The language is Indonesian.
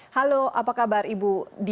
halo apa kabar ibu di